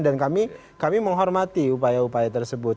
dan kami menghormati upaya upaya tersebut